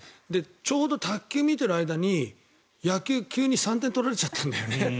ちょうど卓球を見ている間に野球が急に３点取られちゃったんだよね。